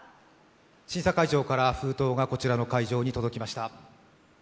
審査会長から封筒がこちらに届きました。